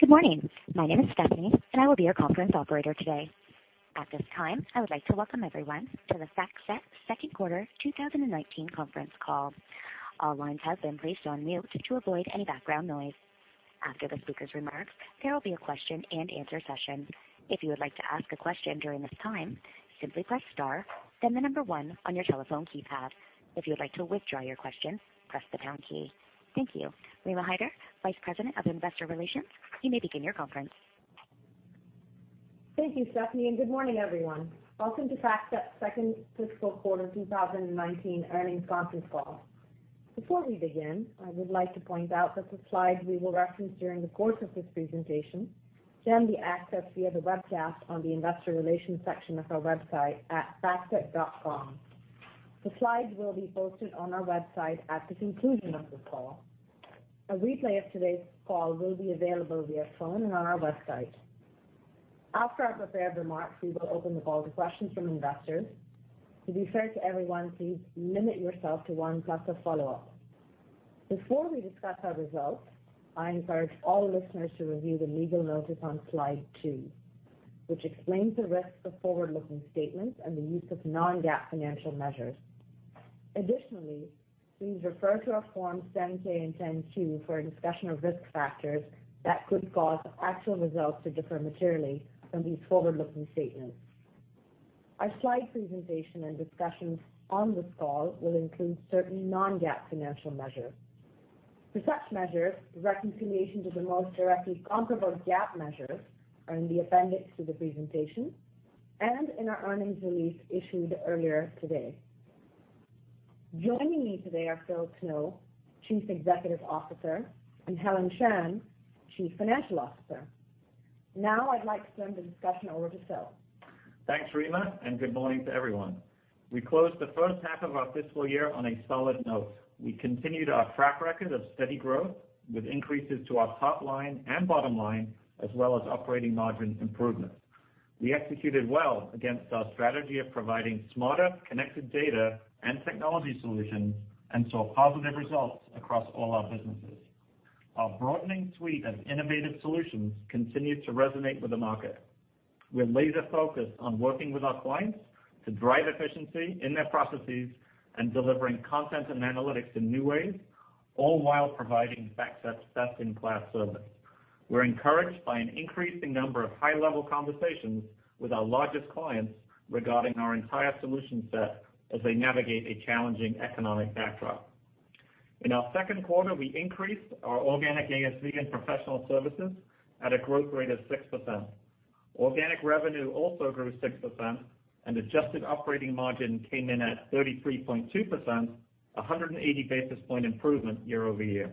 Good morning. My name is Stephanie, I will be your conference operator today. At this time, I would like to welcome everyone to the FactSet second quarter 2019 conference call. All lines have been placed on mute to avoid any background noise. After the speaker's remarks, there will be a question and answer session. If you would like to ask a question during this time, simply press star, then 1 on your telephone keypad. If you would like to withdraw your question, press the pound key. Thank you. Rima Hyder, Vice President of Investor Relations, you may begin your conference. Thank you, Stephanie, good morning, everyone. Welcome to FactSet second fiscal quarter 2019 earnings conference call. Before we begin, I would like to point out that the slides we will reference during the course of this presentation can be accessed via the webcast on the investor relations section of our website at factset.com. The slides will be posted on our website at the conclusion of the call. A replay of today's call will be available via phone and on our website. After our prepared remarks, we will open the call to questions from investors. To be fair to everyone, please limit yourself to 1 plus a follow-up. Before we discuss our results, I encourage all listeners to review the legal notice on slide two, which explains the risks of forward-looking statements and the use of non-GAAP financial measures. Additionally, please refer to our forms 10-K and 10-Q for a discussion of risk factors that could cause actual results to differ materially from these forward-looking statements. Our slide presentation and discussions on this call will include certain non-GAAP financial measures. For such measures, the reconciliation to the most directly comparable GAAP measures are in the appendix to the presentation and in our earnings release issued earlier today. Joining me today are Phil Snow, Chief Executive Officer, and Helen Shan, Chief Financial Officer. I'd like to turn the discussion over to Phil. Thanks, Rima, good morning to everyone. We closed the first half of our fiscal year on a solid note. We continued our track record of steady growth with increases to our top line and bottom line, as well as operating margin improvement. We executed well against our strategy of providing smarter, connected data and technology solutions and saw positive results across all our businesses. Our broadening suite of innovative solutions continued to resonate with the market. We're laser-focused on working with our clients to drive efficiency in their processes and delivering content and analytics in new ways, all while providing FactSet's best-in-class service. We're encouraged by an increasing number of high-level conversations with our largest clients regarding our entire solution set as they navigate a challenging economic backdrop. In our second quarter, we increased our organic ASV and professional services at a growth rate of 6%. Organic revenue also grew 6%, adjusted operating margin came in at 33.2%, a 180-basis point improvement year-over-year.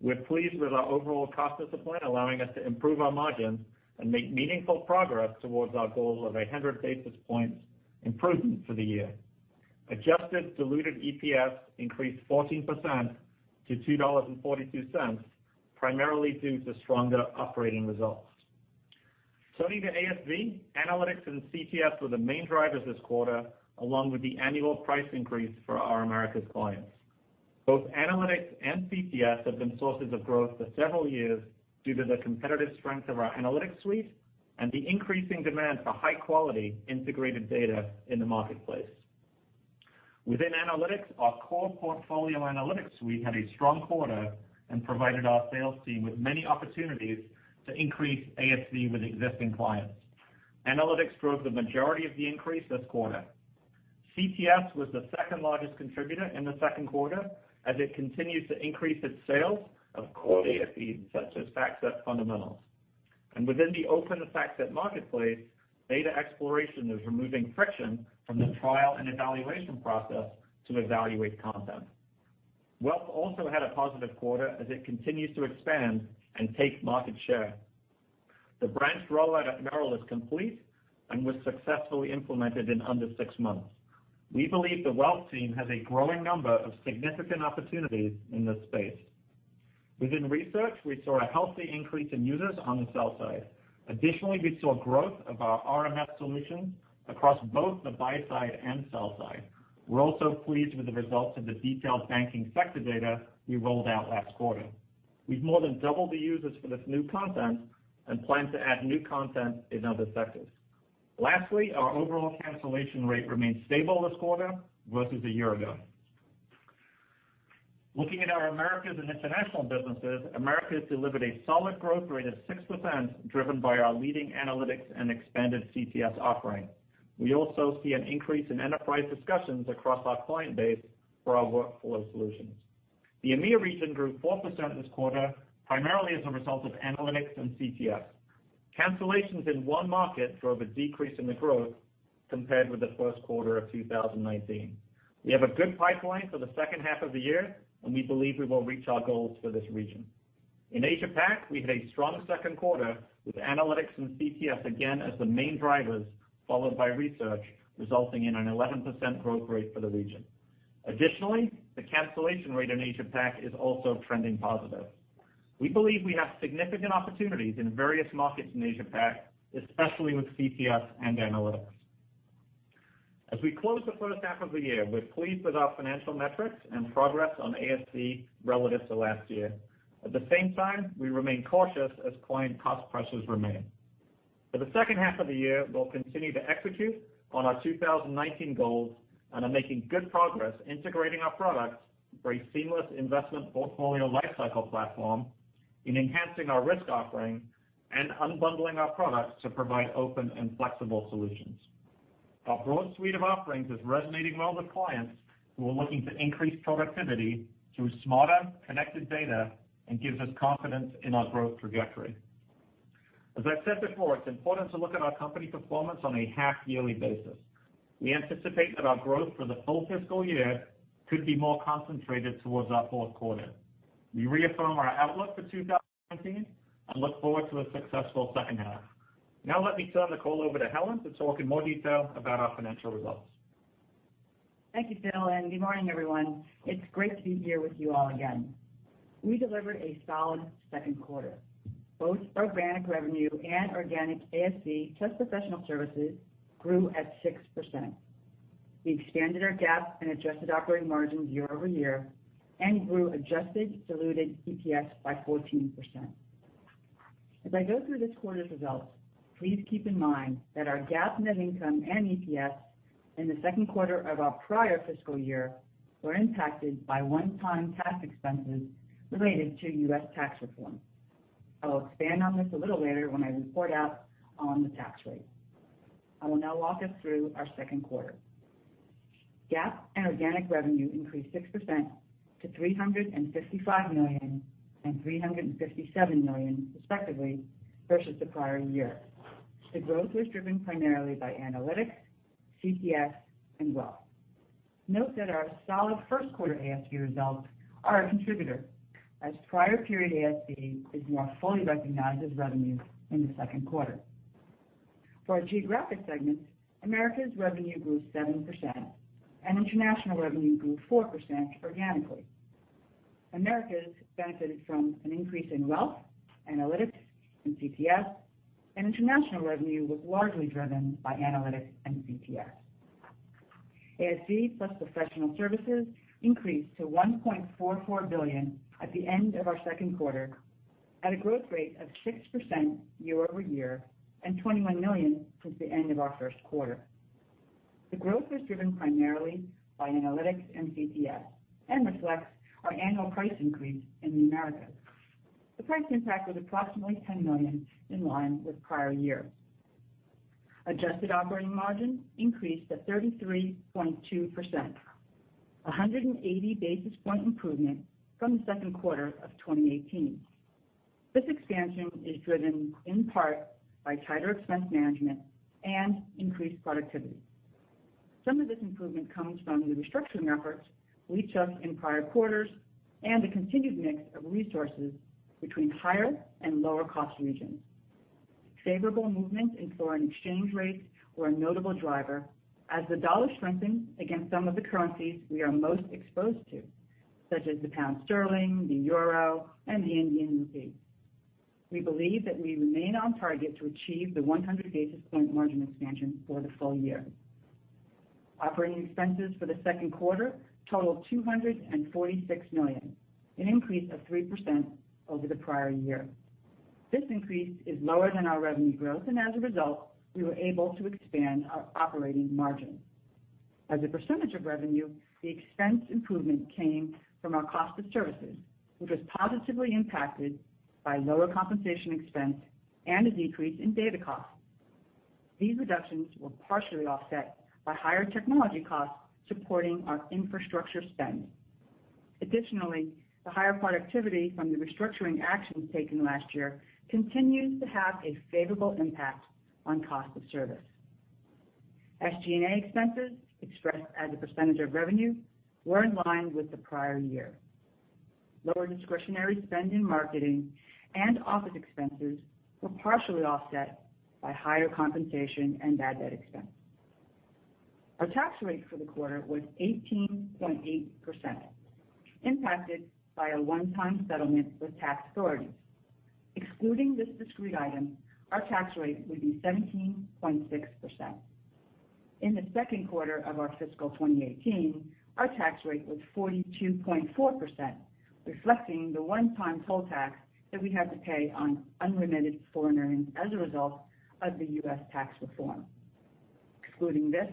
We're pleased with our overall cost discipline, allowing us to improve our margins and make meaningful progress towards our goal of 100 basis points improvement for the year. Adjusted diluted EPS increased 14% to $2.42, primarily due to stronger operating results. Turning to ASV, analytics and CTS were the main drivers this quarter, along with the annual price increase for our Americas clients. Both analytics and CTS have been sources of growth for several years due to the competitive strength of our analytics suite and the increasing demand for high-quality integrated data in the marketplace. Within analytics, our core Portfolio Analytics suite had a strong quarter and provided our sales team with many opportunities to increase ASV with existing clients. Analytics drove the majority of the increase this quarter. CTS was the second-largest contributor in the second quarter as it continues to increase its sales of core data feeds such as FactSet Fundamentals. Within the Open:FactSet Marketplace, data exploration is removing friction from the trial and evaluation process to evaluate content. Wealth also had a positive quarter as it continues to expand and take market share. The branch rollout at Merrill is complete and was successfully implemented in under six months. We believe the Wealth team has a growing number of significant opportunities in this space. Within Research, we saw a healthy increase in users on the sell side. Additionally, we saw growth of our RMF solution across both the buy side and sell side. We're also pleased with the results of the detailed banking sector data we rolled out last quarter. We've more than doubled the users for this new content and plan to add new content in other sectors. Lastly, our overall cancellation rate remained stable this quarter versus a year ago. Looking at our Americas and international businesses, Americas delivered a solid growth rate of 6%, driven by our leading analytics and expanded CTS offering. We also see an increase in enterprise discussions across our client base for our workflow solutions. The EMEA region grew 4% this quarter, primarily as a result of analytics and CTS. Cancellations in one market drove a decrease in the growth compared with the first quarter of 2019. We have a good pipeline for the second half of the year, and we believe we will reach our goals for this region. In Asia-Pac, we had a strong second quarter with analytics and CTS again as the main drivers, followed by research, resulting in an 11% growth rate for the region. Additionally, the cancellation rate in Asia-Pac is also trending positive. We believe we have significant opportunities in various markets in Asia-Pac, especially with CTS and analytics. As we close the first half of the year, we're pleased with our financial metrics and progress on ASV relative to last year. At the same time, we remain cautious as client cost pressures remain. For the second half of the year, we'll continue to execute on our 2019 goals and are making good progress integrating our products for a seamless investment portfolio lifecycle platform in enhancing our risk offering and unbundling our products to provide open and flexible solutions. Our broad suite of offerings is resonating well with clients who are looking to increase productivity through smarter connected data and gives us confidence in our growth trajectory. As I've said before, it's important to look at our company performance on a half-yearly basis. We anticipate that our growth for the full fiscal year could be more concentrated towards our fourth quarter. We reaffirm our outlook for 2019 and look forward to a successful second half. Now let me turn the call over to Helen Shan to talk in more detail about our financial results. Thank you, Phil, and good morning, everyone. It's great to be here with you all again. We delivered a solid second quarter. Both organic revenue and organic ASV, plus professional services, grew at 6%. We expanded our GAAP and adjusted operating margins year-over-year and grew adjusted diluted EPS by 14%. As I go through this quarter's results, please keep in mind that our GAAP net income and EPS in the second quarter of our prior fiscal year were impacted by one-time tax expenses related to US tax reform. I'll expand on this a little later when I report out on the tax rate. I will now walk us through our second quarter. GAAP and organic revenue increased 6% to $355 million and $357 million, respectively, versus the prior year. The growth was driven primarily by analytics, CTS, and wealth. Note that our solid first quarter ASV results are a contributor, as prior period ASV is more fully recognized as revenue in the second quarter. For our geographic segments, Americas revenue grew 7% and international revenue grew 4% organically. Americas benefited from an increase in wealth, analytics, and CTS, and international revenue was largely driven by analytics and CTS. ASV plus professional services increased to $1.44 billion at the end of our second quarter at a growth rate of 6% year-over-year and $21 million since the end of our first quarter. The growth was driven primarily by analytics and CTS and reflects our annual price increase in the Americas. The price impact was approximately $10 million, in line with prior year. Adjusted operating margin increased to 33.2%, a 180-basis point improvement from the second quarter of 2018. This expansion is driven in part by tighter expense management and increased productivity. Some of this improvement comes from the restructuring efforts we took in prior quarters and the continued mix of resources between higher and lower-cost regions. Favorable movements in foreign exchange rates were a notable driver as the dollar strengthened against some of the currencies we are most exposed to, such as the pound sterling, the euro, and the Indian rupee. We believe that we remain on target to achieve the 100-basis point margin expansion for the full year. Operating expenses for the second quarter totaled $246 million, an increase of 3% over the prior year. This increase is lower than our revenue growth, and as a result, we were able to expand our operating margin. As a percentage of revenue, the expense improvement came from our cost of services, which was positively impacted by lower compensation expense and a decrease in data costs. These reductions were partially offset by higher technology costs supporting our infrastructure spend. Additionally, the higher productivity from the restructuring actions taken last year continues to have a favorable impact on cost of service. SG&A expenses expressed as a percentage of revenue were in line with the prior year. Lower discretionary spend in marketing and office expenses were partially offset by higher compensation and bad debt expense. Our tax rate for the quarter was 18.8%, impacted by a one-time settlement with tax authorities. Excluding this discrete item, our tax rate would be 17.6%. In the second quarter of our fiscal 2018, our tax rate was 42.4%, reflecting the one-time toll tax that we had to pay on unremitted foreign earnings as a result of the U.S. tax reform. Excluding this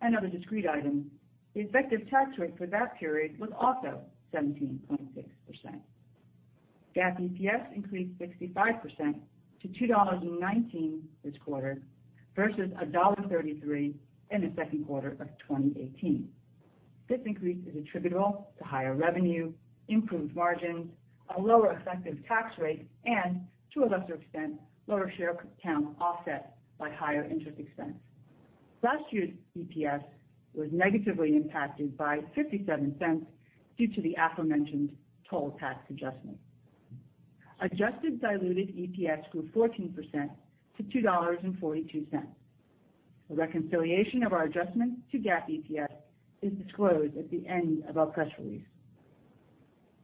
and other discrete items, the effective tax rate for that period was also 17.6%. GAAP EPS increased 65% to $2.19 this quarter versus $1.33 in the second quarter of 2018. This increase is attributable to higher revenue, improved margins, a lower effective tax rate, and to a lesser extent, lower share count offset by higher interest expense. Last year's EPS was negatively impacted by $0.57 due to the aforementioned toll tax adjustment. Adjusted diluted EPS grew 14% to $2.42. A reconciliation of our adjustments to GAAP EPS is disclosed at the end of our press release.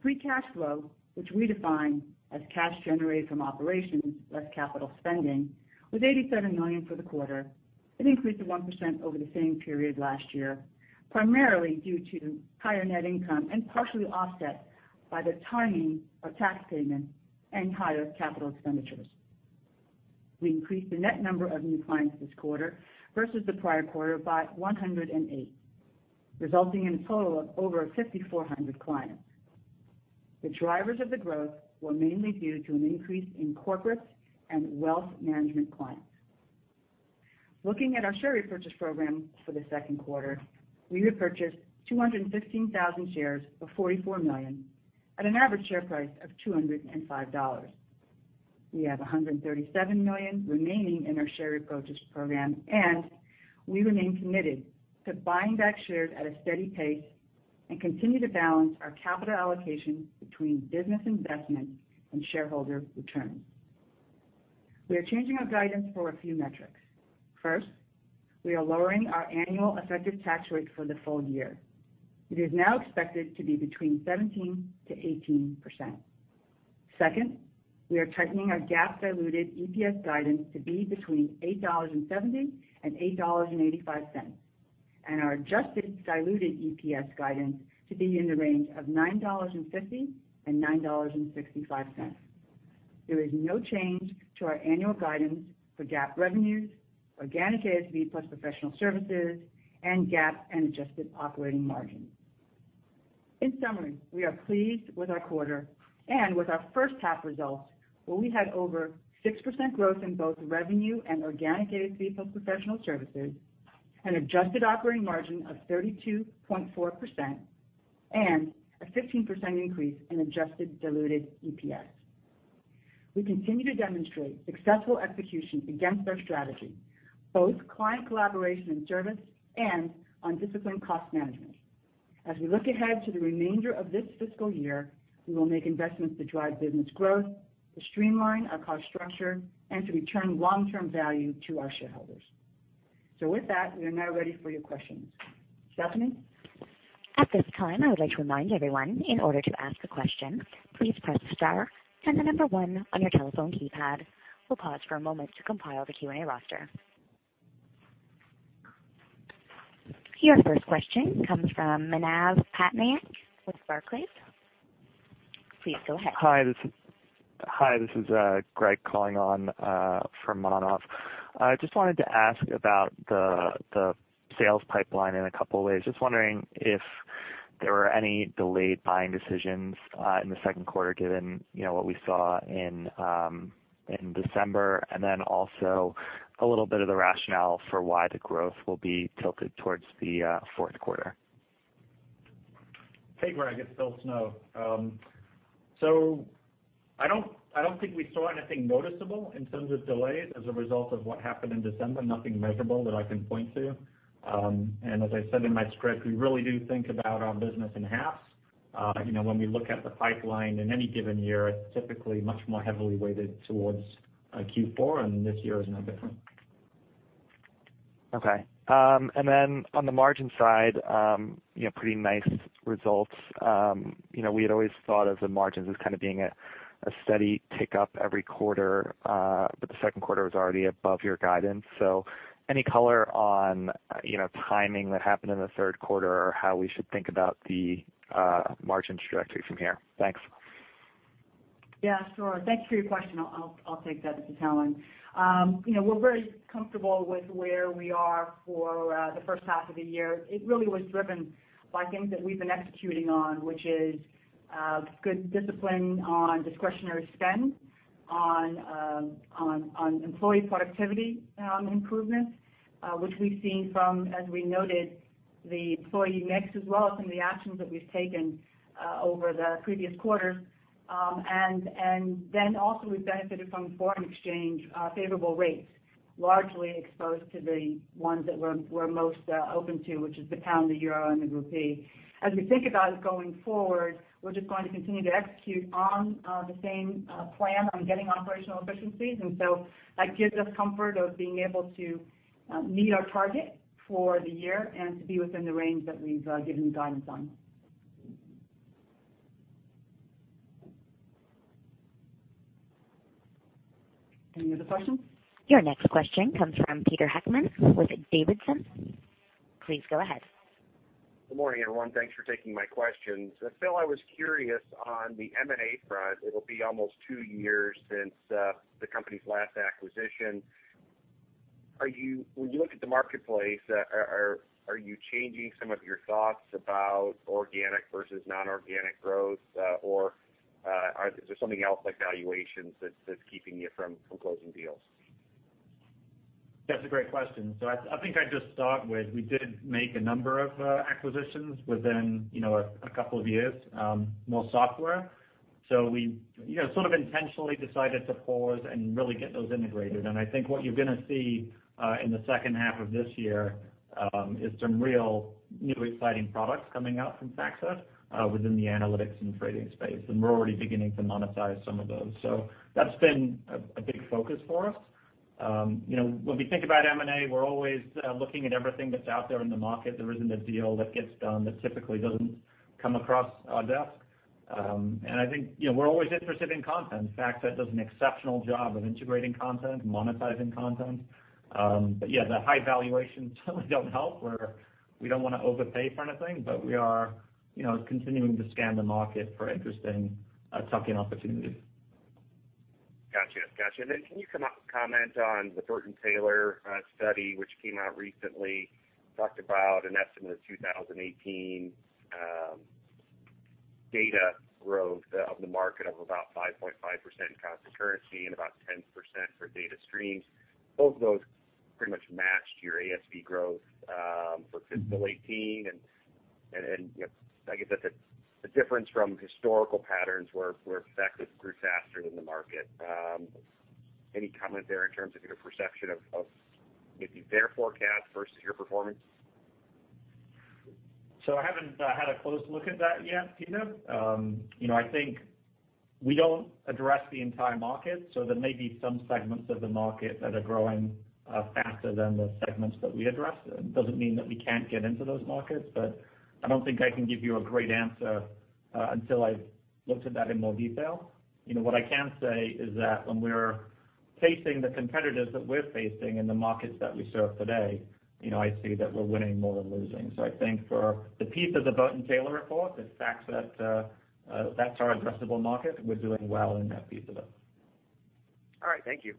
Free cash flow, which we define as cash generated from operations less capital spending, was $87 million for the quarter, an increase of 1% over the same period last year, primarily due to higher net income and partially offset by the timing of tax payments and higher capital expenditures. We increased the net number of new clients this quarter versus the prior quarter by 108, resulting in a total of over 5,400 clients. The drivers of the growth were mainly due to an increase in corporate and wealth management clients. Looking at our share repurchase program for the second quarter, we repurchased 216,000 shares of $44 million at an average share price of $205. We have $137 million remaining in our share repurchase program, and we remain committed to buying back shares at a steady pace and continue to balance our capital allocation between business investment and shareholder returns. We are changing our guidance for a few metrics. First, we are lowering our annual effective tax rate for the full year. It is now expected to be between 17%-18%. Second, we are tightening our GAAP diluted EPS guidance to be between $8.70 and $8.85, and our adjusted diluted EPS guidance to be in the range of $9.50 and $9.65. There is no change to our annual guidance for GAAP revenues, organic ASV plus professional services, and GAAP and adjusted operating margin. In summary, we are pleased with our quarter and with our first half results, where we had over 6% growth in both revenue and organic ASV plus professional services, an adjusted operating margin of 32.4%, and a 16% increase in adjusted diluted EPS. We continue to demonstrate successful execution against our strategy, both client collaboration and service, and on disciplined cost management. As we look ahead to the remainder of this fiscal year, we will make investments to drive business growth, to streamline our cost structure, and to return long-term value to our shareholders. With that, we are now ready for your questions. Stephanie? At this time, I would like to remind everyone, in order to ask a question, please press star and the number one on your telephone keypad. We'll pause for a moment to compile the Q&A roster. Your first question comes from Manav Patnaik with Barclays. Please go ahead. Hi, this is Greg calling on from Manav. I just wanted to ask about the sales pipeline in a couple of ways. Just wondering if there were any delayed buying decisions in the second quarter, given what we saw in December, also a little of the rationale for why the growth will be tilted towards the fourth quarter. Hey, Greg. It's Phil Snow. I don't think we saw anything noticeable in terms of delays as a result of what happened in December, nothing measurable that I can point to. As I said in my script, we really do think about our business in halves. When we look at the pipeline in any given year, it's typically much more heavily weighted towards Q4, this year is no different. Okay. On the margin side, pretty nice results. We had always thought of the margins as kind of being a steady tick-up every quarter, the second quarter was already above your guidance. Any color on timing that happened in the third quarter, or how we should think about the margins trajectory from here? Thanks. Yeah, sure. Thank you for your question. I'll take that, this is Helen. We're very comfortable with where we are for the first half of the year. It really was driven by things that we've been executing on, which is good discipline on discretionary spend, on employee productivity improvements, which we've seen from, as we noted, the employee mix as well from the actions that we've taken over the previous quarter. We benefited from foreign exchange favorable rates, largely exposed to the ones that were most open to, which is the pound, the euro, and the rupee. As we think about it going forward, we're just going to continue to execute on the same plan on getting operational efficiencies, that gives us comfort of being able to meet our target for the year and to be within the range that we've given guidance on. Any other questions? Your next question comes from Peter Heckmann with Davidson. Please go ahead. Good morning, everyone. Thanks for taking my questions. Phil, I was curious on the M&A front. It'll be almost two years since the company's last acquisition. When you look at the marketplace, are you changing some of your thoughts about organic versus non-organic growth? Is there something else like valuations that's keeping you from closing deals? That's a great question. I think I'd just start with, we did make a number of acquisitions within a couple of years, more software. We sort of intentionally decided to pause and really get those integrated. I think what you're going to see in the second half of this year is some real new, exciting products coming out from FactSet within the analytics and trading space, and we're already beginning to monetize some of those. That's been a big focus for us. When we think about M&A, we're always looking at everything that's out there in the market. There isn't a deal that gets done that typically doesn't come across our desk. I think, we're always interested in content. FactSet does an exceptional job of integrating content, monetizing content. Yeah, the high valuations don't help where we don't want to overpay for anything. We are continuing to scan the market for interesting tuck-in opportunities. Got you. Can you comment on the Burton-Taylor study which came out recently, talked about an estimate of 2018 data growth of the market of about 5.5% constant currency and about 10% for data streams. Both of those pretty much matched your ASV growth for fiscal 2018. I guess that's a difference from historical patterns where FactSet grew faster than the market. Any comment there in terms of your perception of maybe their forecast versus your performance? I haven't had a close look at that yet, Peter. I think we don't address the entire market, there may be some segments of the market that are growing faster than the segments that we address. It doesn't mean that we can't get into those markets, I don't think I can give you a great answer until I've looked at that in more detail. What I can say is that when we're facing the competitors that we're facing in the markets that we serve today, I see that we're winning more than losing. I think for the piece of the Burton-Taylor report is FactSet, that's our addressable market. We're doing well in that piece of it. All right. Thank you.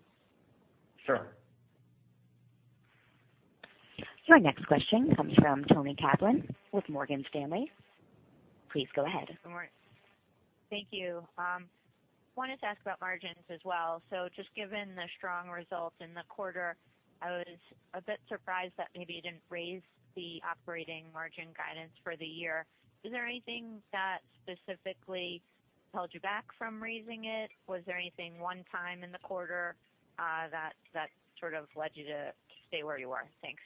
Sure. Your next question comes from Toni Kaplan with Morgan Stanley. Please go ahead. Good morning. Thank you. Wanted to ask about margins as well. Just given the strong results in the quarter, I was a bit surprised that maybe you didn't raise the operating margin guidance for the year. Is there anything that specifically held you back from raising it? Was there anything one time in the quarter that sort of led you to stay where you are? Thanks.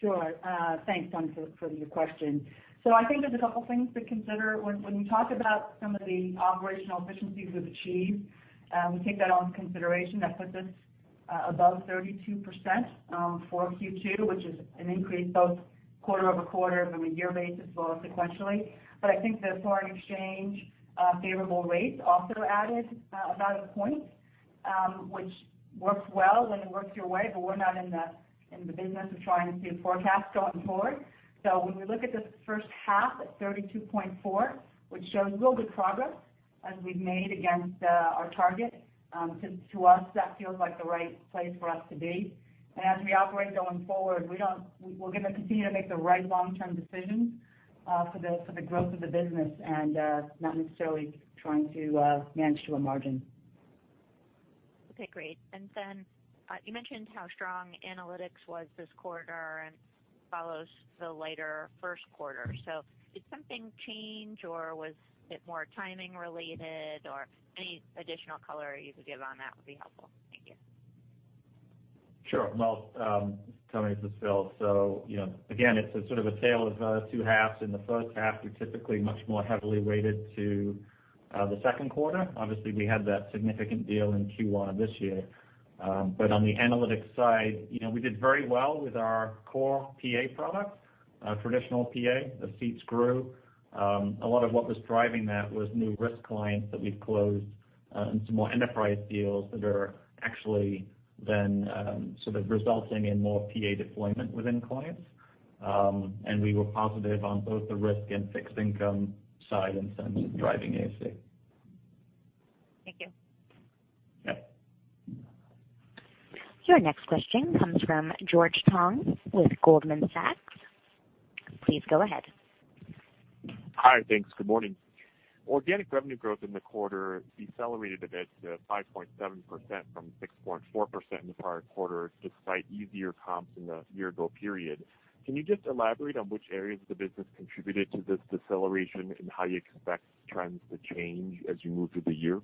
Sure. Thanks, Toni, for the question. I think there's a couple things to consider. When we talk about some of the operational efficiencies we've achieved, we take that all into consideration. That puts us above 32% for Q2, which is an increase both quarter-over-quarter from a year basis, as well as sequentially. I think the foreign exchange favorable rates also added about a point, which works well when it works your way. We're not in the business of trying to forecast going forward. When we look at this first half at 32.4, which shows really good progress as we've made against our target to us, that feels like the right place for us to be. As we operate going forward, we're going to continue to make the right long-term decisions for the growth of the business and not necessarily trying to manage to a margin. Okay, great. You mentioned how strong analytics was this quarter and follows the lighter first quarter. Did something change or was it more timing related or any additional color you could give on that would be helpful. Thank you. Sure. Well, Toni, this is Phil. Again, it's a sort of a tale of two halves. In the first half, we're typically much more heavily weighted to the second quarter. Obviously, we had that significant deal in Q1 of this year. On the analytics side we did very well with our core PA product, traditional PA, the seats grew. A lot of what was driving that was new risk clients that we've closed and some more enterprise deals that are actually then sort of resulting in more PA deployment within clients. We were positive on both the risk and fixed income side in terms of driving AC. Thank you. Yeah. Your next question comes from George Tong with Goldman Sachs. Please go ahead. Hi. Thanks. Good morning. Organic revenue growth in the quarter decelerated a bit to 5.7% from 6.4% in the prior quarter, despite easier comps in the year-ago period. Can you just elaborate on which areas of the business contributed to this deceleration and how you expect trends to change as you move through the year?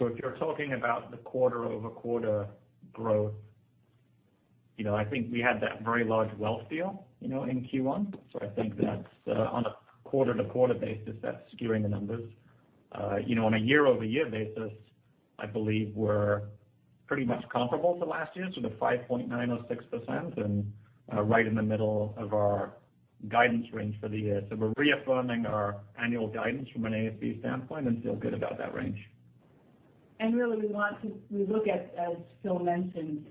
If you're talking about the quarter-over-quarter growth, I think we had that very large wealth deal in Q1. I think that on a quarter-to-quarter basis, that's skewing the numbers. On a year-over-year basis, I believe we're pretty much comparable to last year. The 5.9 or 6% and right in the middle of our guidance range for the year. We're reaffirming our annual guidance from an ASV standpoint and feel good about that range. Really we look at, as Phil mentioned,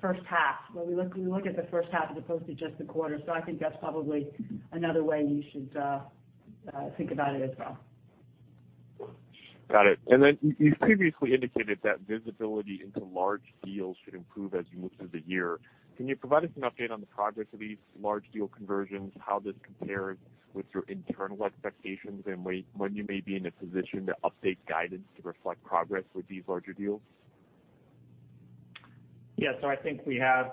first half. We look at the first half as opposed to just the quarter. I think that's probably another way you should think about it as well. Got it. You previously indicated that visibility into large deals should improve as you move through the year. Can you provide us an update on the progress of these large deal conversions, how this compares with your internal expectations, and when you may be in a position to update guidance to reflect progress with these larger deals? Yeah. I think we have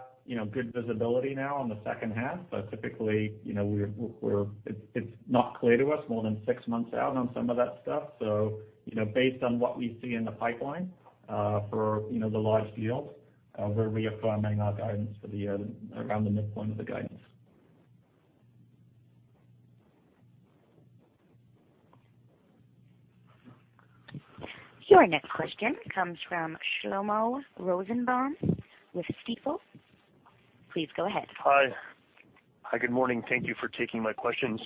good visibility now on the second half. Typically, it's not clear to us more than six months out on some of that stuff. Based on what we see in the pipeline for the large deals, we're reaffirming our guidance for the year around the midpoint of the guidance. Your next question comes from Shlomo Rosenbaum with Stifel. Please go ahead. Hi. Good morning. Thank you for taking my questions.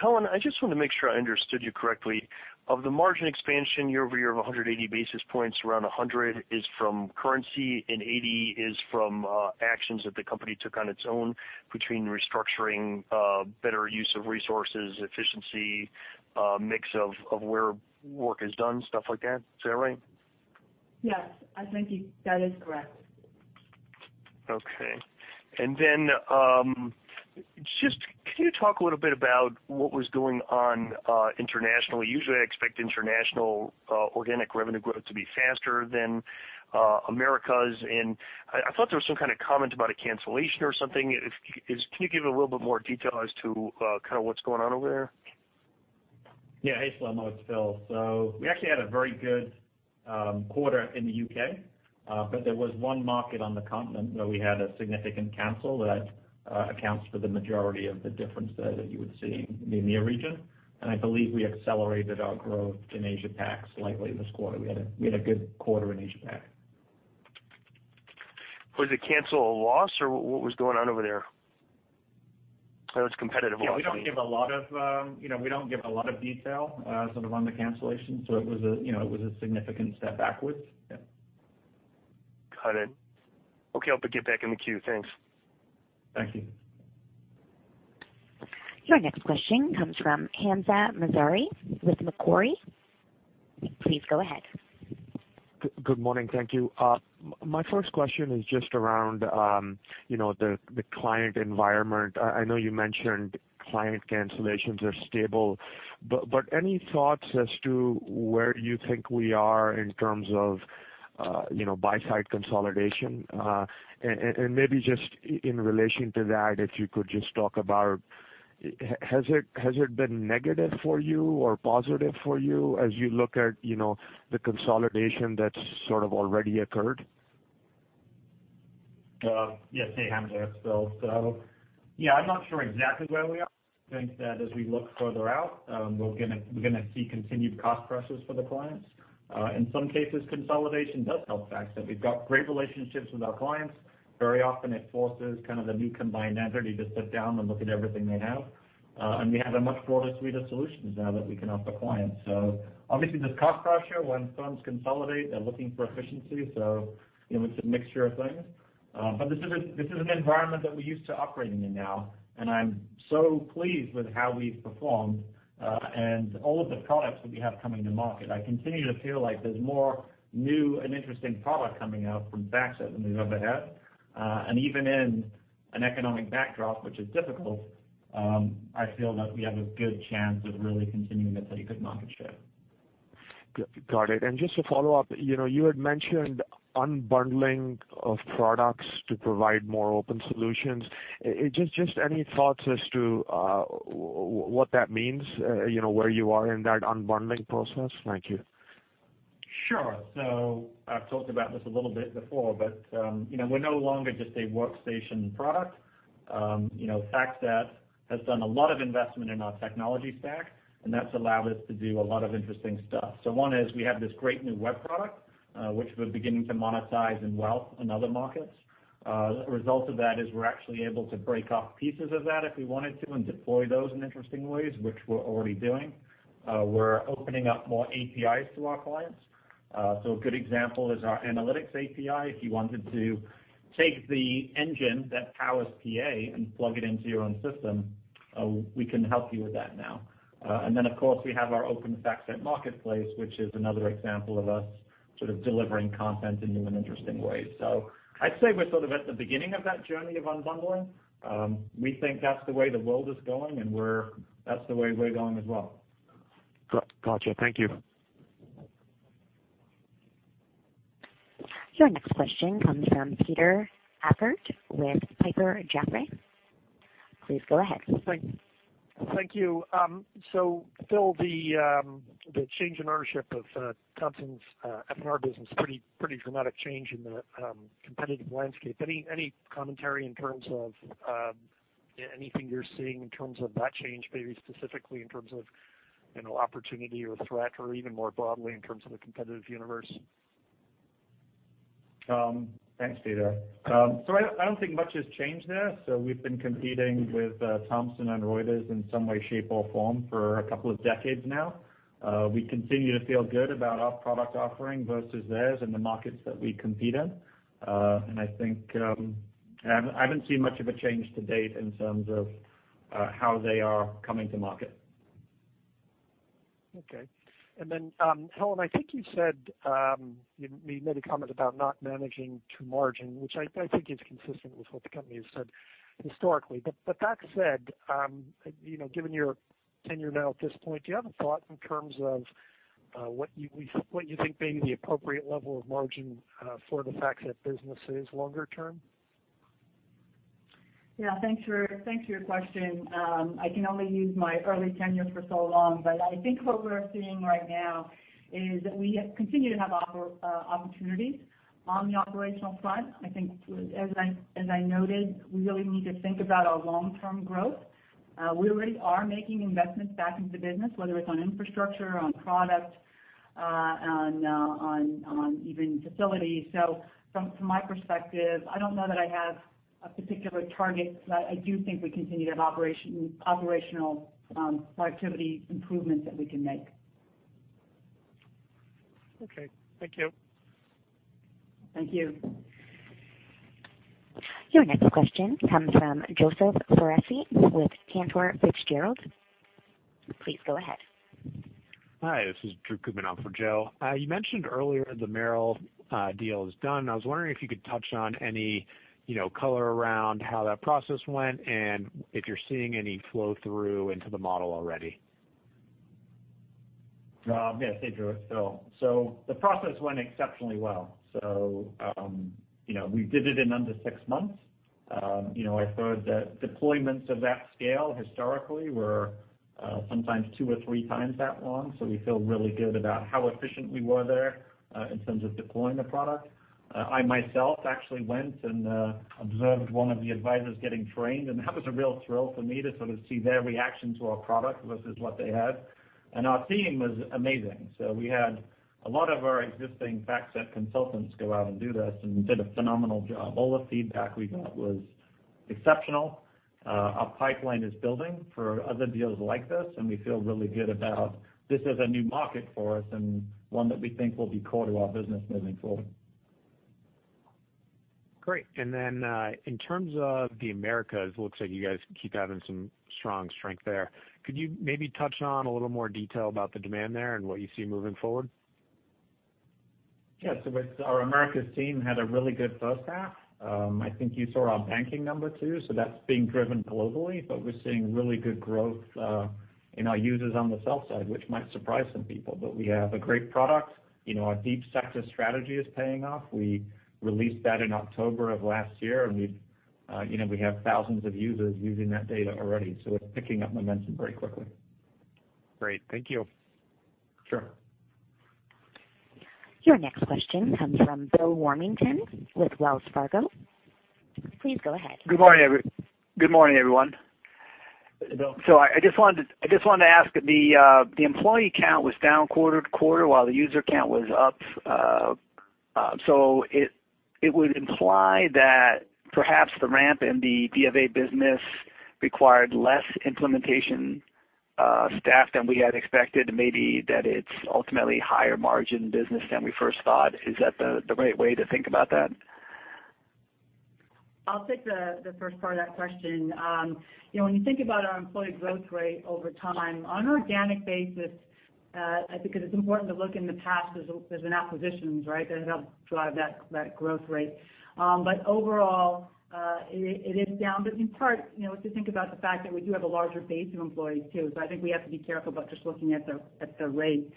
Helen, I just want to make sure I understood you correctly. Of the margin expansion year-over-year of 180 basis points, around 100 is from currency, and 80 is from actions that the company took on its own between restructuring, better use of resources, efficiency, mix of where work is done, stuff like that. Is that right? Yes. I think that is correct. Okay. Can you talk a little bit about what was going on internationally? Usually, I expect international organic revenue growth to be faster than Americas, and I thought there was some kind of comment about a cancellation or something. Can you give a little bit more detail as to what's going on over there? Yeah. Hey, Shlomo, it's Phil. We actually had a very good quarter in the U.K., but there was one market on the continent where we had a significant cancel that accounts for the majority of the difference that you would see in the EMEA region. I believe we accelerated our growth in Asia PAC slightly this quarter. We had a good quarter in Asia PAC. Was the cancel a loss, or what was going on over there? It's competitive loss. Yeah. We don't give a lot of detail sort of on the cancellation. It was a significant step backwards. Yeah. Got it. Okay. I'll get back in the queue. Thanks. Thank you. Your next question comes from Hamzah Mazari with Macquarie. Please go ahead. Good morning. Thank you. My first question is just around the client environment. I know you mentioned client cancellations are stable, any thoughts as to where you think we are in terms of buy-side consolidation? Maybe just in relation to that, if you could just talk about has it been negative for you or positive for you as you look at the consolidation that's sort of already occurred? Yeah. Hey, Hamzah. It's Phil. I'm not sure exactly where we are. I think that as we look further out, we're going to see continued cost pressures for the clients. In some cases, consolidation does help FactSet. We've got great relationships with our clients. Very often, it forces kind of the new combined entity to sit down and look at everything they have. We have a much broader suite of solutions now that we can offer clients. Obviously, there's cost pressure when firms consolidate. They're looking for efficiency. It's a mixture of things. This is an environment that we're used to operating in now, and I'm so pleased with how we've performed. All of the products that we have coming to market, I continue to feel like there's more new and interesting product coming out from FactSet than we've ever had. Even in an economic backdrop, which is difficult, I feel that we have a good chance of really continuing to take good market share. Got it. To follow up, you had mentioned unbundling of products to provide more open solutions. Any thoughts as to what that means, where you are in that unbundling process? Thank you. Sure. I've talked about this a little bit before, we're no longer just a workstation product. FactSet has done a lot of investment in our technology stack, that's allowed us to do a lot of interesting stuff. One is we have this great new web product, which we're beginning to monetize in wealth in other markets. The result of that is we're actually able to break off pieces of that if we wanted to and deploy those in interesting ways, which we're already doing. We're opening up more APIs to our clients. A good example is our analytics API. If you wanted to take the engine that powers PA and plug it into your own system, we can help you with that now. Of course, we have our Open:FactSet Marketplace, which is another example of us sort of delivering content in new and interesting ways. I'd say we're sort of at the beginning of that journey of unbundling. We think that's the way the world is going, that's the way we're going as well. Got you. Thank you. Your next question comes from Peter Hackert with Piper Jaffray. Please go ahead. Thank you. Phil, the change in ownership of Thomson's F&R business, pretty dramatic change in the competitive landscape. Any commentary in terms of anything you're seeing in terms of that change, maybe specifically in terms of opportunity or threat, or even more broadly in terms of the competitive universe? Thanks, Peter. I don't think much has changed there. We've been competing with Thomson and Reuters in some way, shape, or form for a couple of decades now. We continue to feel good about our product offering versus theirs in the markets that we compete in. I haven't seen much of a change to date in terms of how they are coming to market. Okay. Helen, I think you said you made a comment about not managing to margin, which I think is consistent with what the company has said historically. That said, given your tenure now at this point, do you have a thought in terms of what you think may be the appropriate level of margin for the FactSet business is longer term? Yeah. Thanks for your question. I can only use my early tenure for so long, I think what we're seeing right now is that we continue to have opportunities on the operational front. I think as I noted, we really need to think about our long-term growth. We already are making investments back into the business, whether it's on infrastructure, on product, on even facilities. From my perspective, I don't know that I have a particular target, I do think we continue to have operational productivity improvements that we can make. Okay. Thank you. Thank you. Your next question comes from Joseph Foresi with Cantor Fitzgerald. Please go ahead. Hi, this is Drew coming on for Joe. You mentioned earlier the Merrill deal is done. I was wondering if you could touch on any color around how that process went and if you're seeing any flow-through into the model already. Yes, hey, Drew. The process went exceptionally well. We did it in under six months. I've heard that deployments of that scale historically were sometimes two or three times that long. We feel really good about how efficient we were there in terms of deploying the product. I myself actually went and observed one of the advisors getting trained, and that was a real thrill for me to sort of see their reaction to our product versus what they had. Our team was amazing. We had a lot of our existing FactSet consultants go out and do this, and did a phenomenal job. All the feedback we got was exceptional. Our pipeline is building for other deals like this, and we feel really good about this as a new market for us and one that we think will be core to our business moving forward. Great. In terms of the Americas, looks like you guys keep having some strong strength there. Could you maybe touch on a little more detail about the demand there and what you see moving forward? Yeah. Our Americas team had a really good first half. I think you saw our banking number, too, so that's being driven globally, but we're seeing really good growth in our users on the sell side, which might surprise some people. We have a great product. Our deep sector strategy is paying off. We released that in October of last year, and we have thousands of users using that data already. It's picking up momentum very quickly. Great. Thank you. Sure. Your next question comes from Bill Warmington with Wells Fargo. Please go ahead. Good morning, everyone. Bill. I just wanted to ask, the employee count was down quarter to quarter while the user count was up. It would imply that perhaps the ramp in the BofA business required less implementation staff than we had expected, maybe that it's ultimately a higher margin business than we first thought. Is that the right way to think about that? I'll take the first part of that question. When you think about our employee growth rate over time, on an organic basis, I think it's important to look in the past. There's been acquisitions that have helped drive that growth rate. Overall, it is down. In part, if you think about the fact that we do have a larger base of employees, too, so I think we have to be careful about just looking at the rate.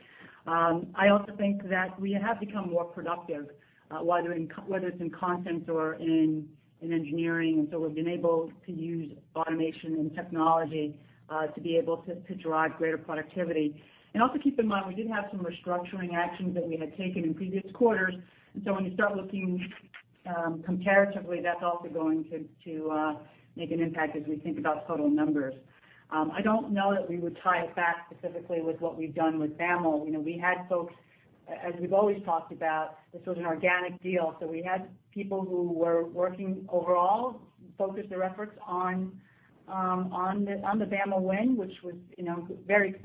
I also think that we have become more productive, whether it's in content or in engineering, and so we've been able to use automation and technology to be able to drive greater productivity. Also keep in mind, we did have some restructuring actions that we had taken in previous quarters. When you start looking comparatively, that's also going to make an impact as we think about total numbers. I don't know that we would tie it back specifically with what we've done with BAML. As we've always talked about, this was an organic deal. We had people who were working overall, focus their efforts on the BAML win, which was very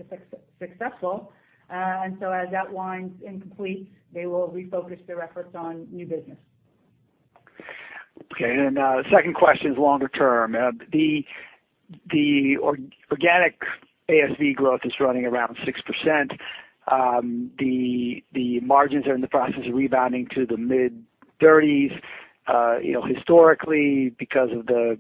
successful. As that winds incomplete, they will refocus their efforts on new business. Okay. The second question is longer term. The organic ASV growth is running around 6%. The margins are in the process of rebounding to the mid-30s. Historically, because of the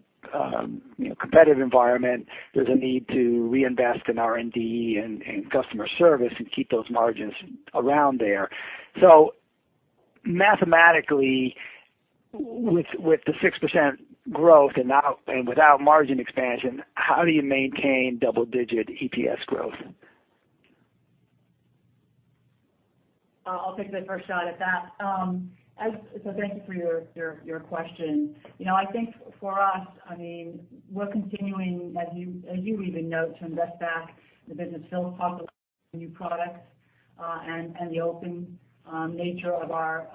competitive environment, there's a need to reinvest in R&D and customer service and keep those margins around there. Mathematically, with the 6% growth and without margin expansion, how do you maintain double-digit EPS growth? I'll take the first shot at that. Thank you for your question. I think for us, we're continuing, as you even note, to invest back in the business. Phil talked about new products and the open nature of our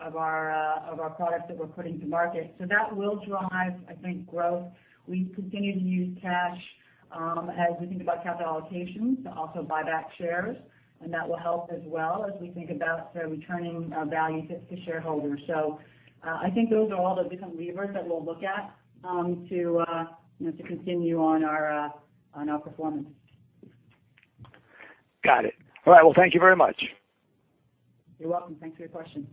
products that we're putting to market. That will drive, I think, growth. We continue to use cash as we think about capital allocations to also buy back shares, and that will help as well as we think about returning value to shareholders. I think those are all the different levers that we'll look at to continue on our performance. Got it. All right. Well, thank you very much. You're welcome. Thanks for your question.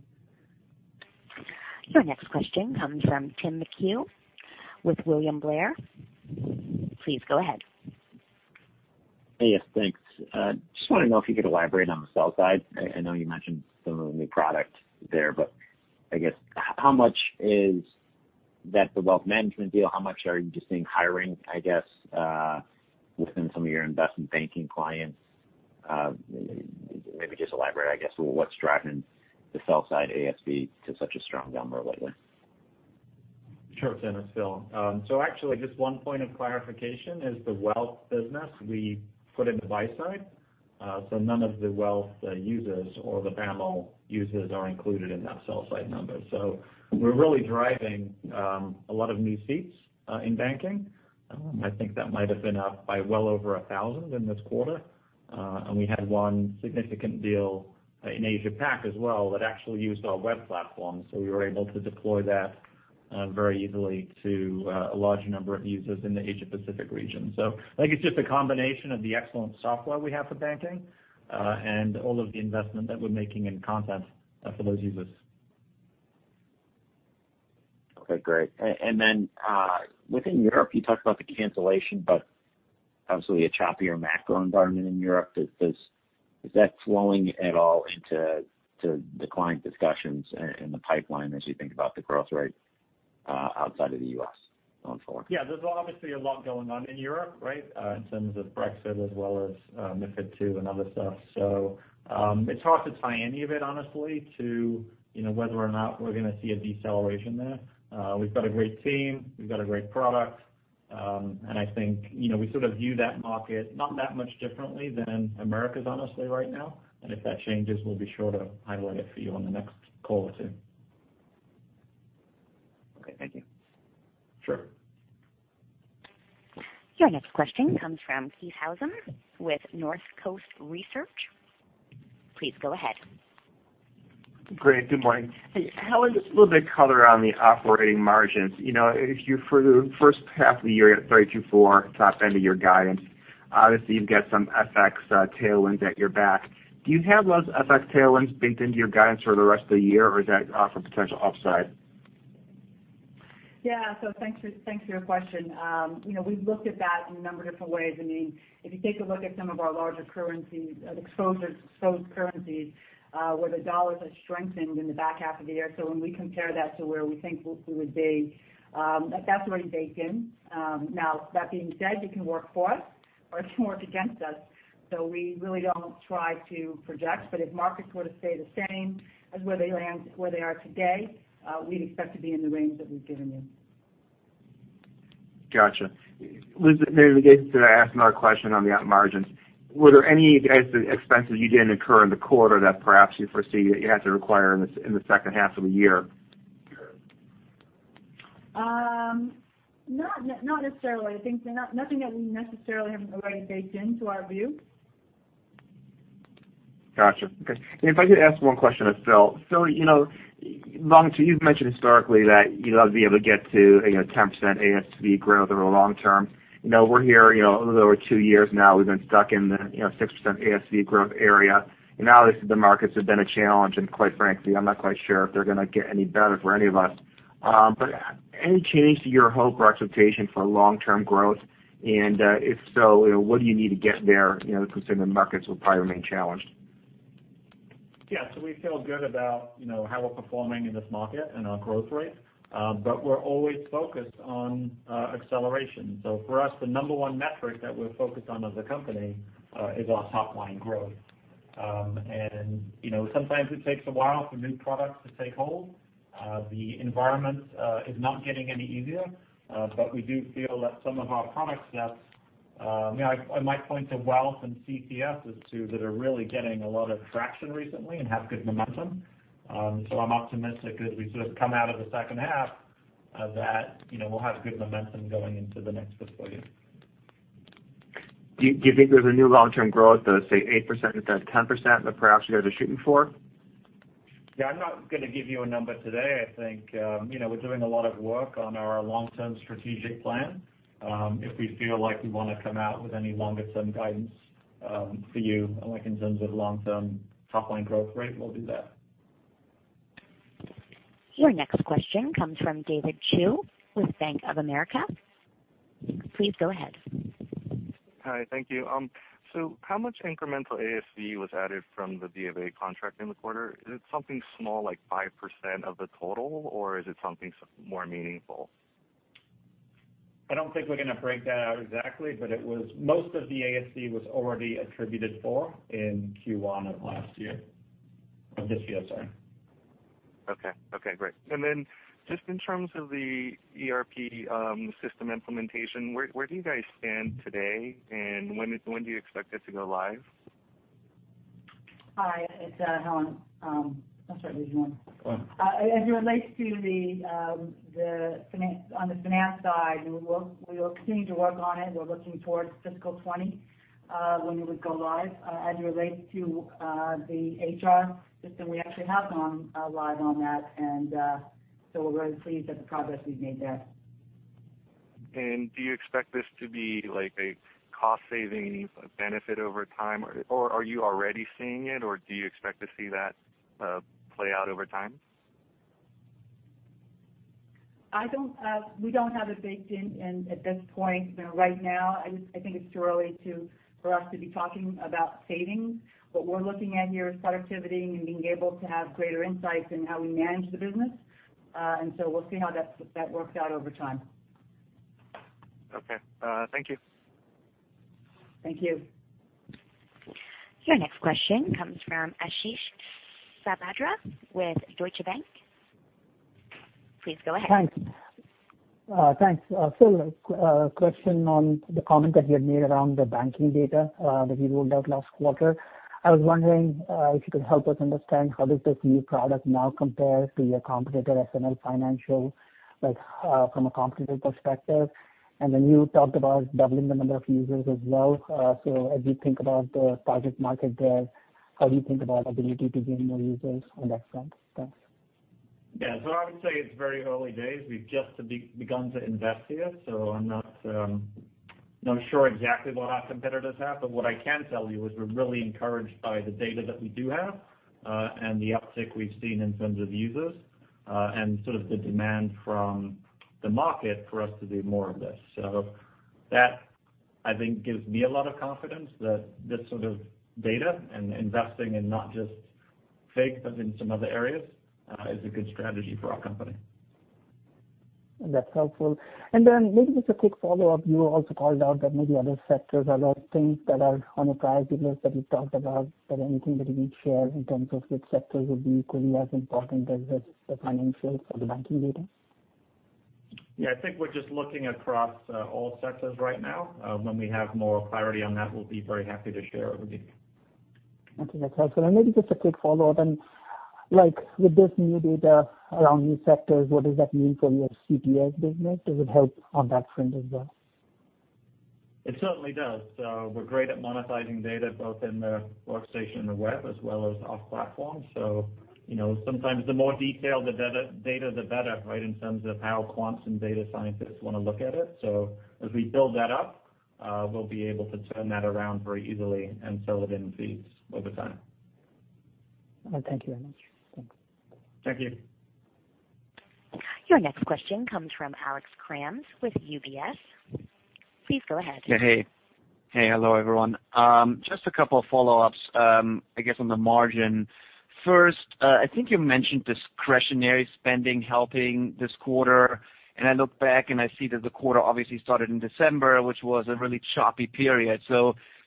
Your next question comes from Tim McHugh with William Blair. Please go ahead. Hey, yes, thanks. Just want to know if you could elaborate on the sell side. I know you mentioned some of the new product there, but I guess how much is that the wealth management deal? How much are you just seeing hiring, I guess, within some of your investment banking clients? Maybe just elaborate, I guess, what's driving the sell side ASV to such a strong number lately? Sure, Tim. Phil. Actually, just one point of clarification is the wealth business we put in the buy side. None of the wealth users or the BAML users are included in that sell side number. We're really driving a lot of new seats in banking. I think that might have been up by well over 1,000 in this quarter. We had one significant deal in Asia Pac as well that actually used our web platform. We were able to deploy that very easily to a large number of users in the Asia Pacific region. I think it's just a combination of the excellent software we have for banking, and all of the investment that we're making in content for those users. Okay, great. Then, within Europe, you talked about the cancellation, obviously a choppier macro environment in Europe. Does that flowing at all into the client discussions in the pipeline as you think about the growth rate outside of the U.S. going forward? Yeah. There's obviously a lot going on in Europe, right? In terms of Brexit as well as MiFID II and other stuff. It's hard to tie any of it, honestly, to whether or not we're going to see a deceleration there. We've got a great team, we've got a great product. I think we sort of view that market not that much differently than Americas, honestly, right now. If that changes, we'll be sure to highlight it for you on the next call or two. Okay. Thank you. Sure. Your next question comes from Keith Housum with Northcoast Research. Please go ahead. Great. Good morning. Hey, Helen, just a little bit of color on the operating margins. For the first half of the year, at 32.4%, top end of your guidance, obviously you've got some FX tailwinds at your back. Do you have those FX tailwinds baked into your guidance for the rest of the year or is that for potential upside? Yeah. Thanks for your question. We've looked at that in a number of different ways. If you take a look at some of our larger currencies, the exposure to those currencies, where the dollars have strengthened in the back half of the year. When we compare that to where we think we would be, that's already baked in. Now that being said, it can work for us or it can work against us, so we really don't try to project. If markets were to stay the same as where they are today, we'd expect to be in the range that we've given you. Got you. Maybe this gets to I ask another question on the margins. Were there any guys expenses you didn't incur in the quarter that perhaps you foresee that you have to require in the second half of the year? Not necessarily. I think nothing that we necessarily haven't already baked into our view. Got you. Okay. If I could ask one question of Phil. Phil, you've mentioned historically that you'd love to be able to get to 10% ASV growth over long term. We're here over two years now, we've been stuck in the 6% ASV growth area. Obviously the markets have been a challenge and quite frankly, I'm not quite sure if they're going to get any better for any of us. Any change to your hope or expectation for long-term growth? If so, what do you need to get there, considering the markets will probably remain challenged? Yeah. We feel good about how we're performing in this market and our growth rate. We're always focused on acceleration. For us, the number one metric that we're focused on as a company, is our top line growth. Sometimes it takes a while for new products to take hold. The environment is not getting any easier. We do feel that some of our product sets, I might point to Wealth and CTS as two that are really getting a lot of traction recently and have good momentum. I'm optimistic as we sort of come out of the second half, that we'll have good momentum going into the next fiscal year. Do you think there's a new long-term growth of, say, 8%, is that 10% that perhaps you guys are shooting for? Yeah, I'm not going to give you a number today. I think we're doing a lot of work on our long-term strategic plan. If we feel like we want to come out with any longer-term guidance for you, like in terms of long-term top-line growth rate, we'll do that. Your next question comes from David Chu with Bank of America. Please go ahead. Hi. Thank you. How much incremental ASV was added from the DFA contract in the quarter? Is it something small, like 5% of the total, or is it something more meaningful? I don't think we're going to break that out exactly, most of the ASV was already attributed for in Q1 of last year. Of this year, sorry. Okay. Great. Then just in terms of the ERP system implementation, where do you guys stand today and when do you expect it to go live? Hi, it's Helen. I'll start with one. Go on. As it relates to on the finance side, we will continue to work on it. We're looking towards fiscal 2020, when it would go live. As it relates to the HR system, we actually have gone live on that so we're very pleased at the progress we've made there. Do you expect this to be like a cost-saving benefit over time? Are you already seeing it, or do you expect to see that play out over time? We don't have it baked in at this point. Right now, I think it's too early for us to be talking about savings. What we're looking at here is productivity and being able to have greater insights in how we manage the business. We'll see how that works out over time. Okay. Thank you. Thank you. Your next question comes from Ashish Sabadra with Deutsche Bank. Please go ahead. Thanks. A question on the comment that you had made around the banking data that you rolled out last quarter. I was wondering if you could help us understand how does this new product now compare to your competitor, S&P Global, from a competitive perspective. You talked about doubling the number of users as well. As you think about the target market there, how do you think about ability to gain more users on that front? Thanks. Yeah. I would say it's very early days. We've just begun to invest here, so I'm not sure exactly what our competitors have, but what I can tell you is we're really encouraged by the data that we do have, and the uptick we've seen in terms of users, and sort of the demand from the market for us to do more of this. That, I think, gives me a lot of confidence that this sort of data and investing in not just FIG, but in some other areas, is a good strategy for our company. That's helpful. Maybe just a quick follow-up. You also called out that maybe other sectors or things that are on the priority list that you talked about, but anything that you can share in terms of which sectors would be equally as important as the financials or the banking data? Yeah, I think we're just looking across all sectors right now. When we have more clarity on that, we'll be very happy to share it with you. Okay, that's helpful. Maybe just a quick follow-up then. With this new data around new sectors, what does that mean for your CTS business? Does it help on that front as well? It certainly does. We're great at monetizing data, both in the workstation and the web, as well as off platform. Sometimes the more detailed the data, the better, right? In terms of how quants and data scientists want to look at it. As we build that up, we'll be able to turn that around very easily and sell it in feeds over time. Thank you very much. Thanks. Thank you. Your next question comes from Alex Kramm with UBS. Please go ahead. Yeah. Hey. Hello, everyone. Just a couple of follow-ups, I guess, on the margin. First, I think you mentioned discretionary spending helping this quarter, and I look back, and I see that the quarter obviously started in December, which was a really choppy period.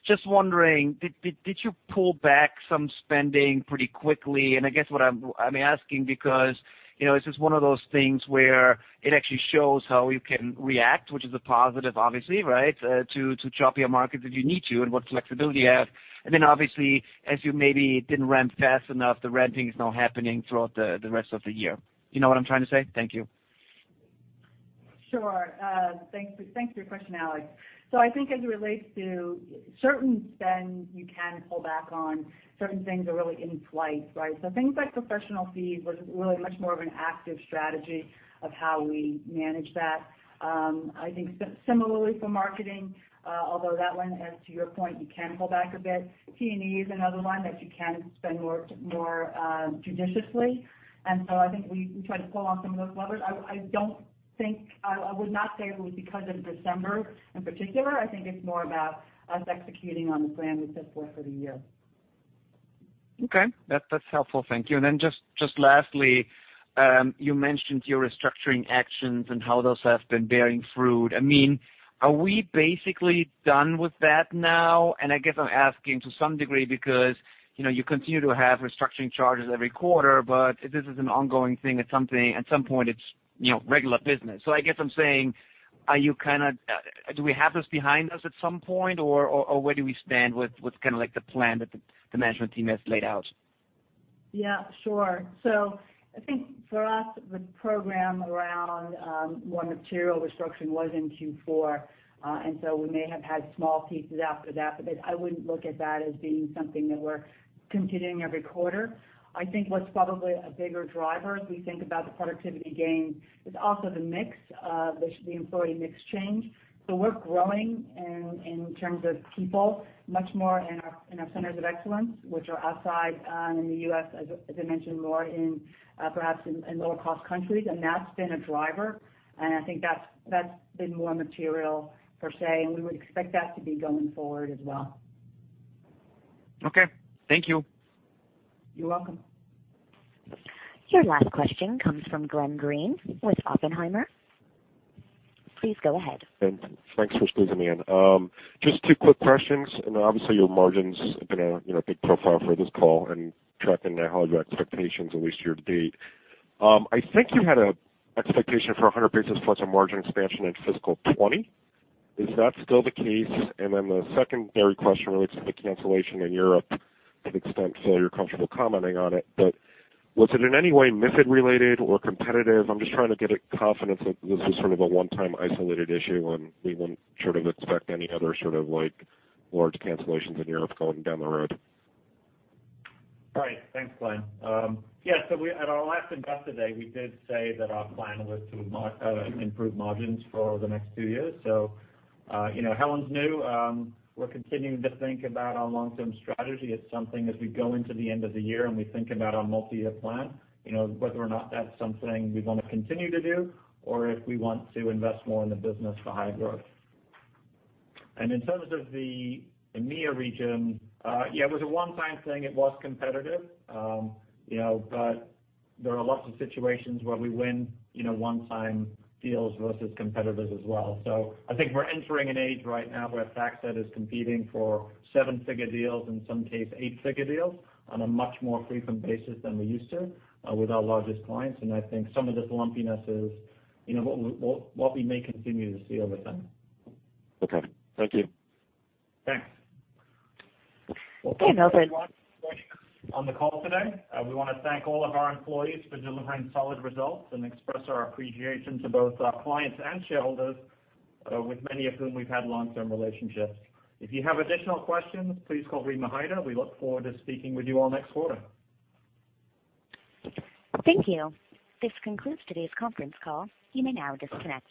Just wondering, did you pull back some spending pretty quickly? I guess what I'm asking, because, it's just one of those things where it actually shows how you can react, which is a positive, obviously, right? To chop your market if you need to and what flexibility you have. Obviously, as you maybe didn't ramp fast enough, the ramping is now happening throughout the rest of the year. You know what I'm trying to say? Thank you. Sure. Thanks for your question, Alex. I think as it relates to certain spend, you can pull back on. Certain things are really in flight, right? Things like professional fees was really much more of an active strategy of how we manage that. I think similarly for marketing, although that one, as to your point, you can pull back a bit. T&E is another one that you can spend more judiciously. I think we tried to pull on some of those levers. I would not say it was because of December in particular. I think it's more about us executing on the plan we set forth for the year. Okay. That's helpful. Thank you. Lastly, you mentioned your restructuring actions and how those have been bearing fruit. Are we basically done with that now? I guess I'm asking to some degree because you continue to have restructuring charges every quarter, but if this is an ongoing thing, at some point it's regular business. I guess I'm saying, do we have this behind us at some point, or where do we stand with kind of the plan that the management team has laid out? Yeah, sure. I think for us, the program around more material restructuring was in Q4, we may have had small pieces after that, but I wouldn't look at that as being something that we're continuing every quarter. I think what's probably a bigger driver as we think about the productivity gain is also the mix of the employee mix change. We're growing in terms of people, much more in our centers of excellence, which are outside in the U.S., as I mentioned, more perhaps in lower cost countries, and that's been a driver. I think that's been more material, per se, and we would expect that to be going forward as well. Okay. Thank you. You're welcome. Your last question comes from Glenn Greene with Oppenheimer. Please go ahead. Thanks for squeezing me in. Just two quick questions. Obviously your margins have been a big profile for this call and tracking how your expectations, at least year to date. I think you had an expectation for 100 basis points on margin expansion in fiscal 2020. Is that still the case? Then the secondary question relates to the cancellation in Europe. To the extent, Phil, you're comfortable commenting on it, but was it in any way MiFID related or competitive? I'm just trying to get a confidence that this is sort of a one-time isolated issue, and we wouldn't sort of expect any other sort of large cancellations in Europe going down the road. Right. Thanks, Glenn. At our last investor day, we did say that our plan was to improve margins for the next two years. Helen's new. We're continuing to think about our long-term strategy as something as we go into the end of the year and we think about our multi-year plan, whether or not that's something we want to continue to do or if we want to invest more in the business for high growth. In terms of the EMEA region, it was a one-time thing. It was competitive. There are lots of situations where we win one-time deals versus competitors as well. I think we're entering an age right now where FactSet is competing for seven-figure deals, in some case eight-figure deals on a much more frequent basis than we used to with our largest clients, and I think some of this lumpiness is what we may continue to see over time. Okay. Thank you. Thanks. Okay, no further. Thanks, everyone, for joining us on the call today. We want to thank all of our employees for delivering solid results and express our appreciation to both our clients and shareholders, with many of whom we've had long-term relationships. If you have additional questions, please call Rima Hyder. We look forward to speaking with you all next quarter. Thank you. This concludes today's conference call. You may now disconnect.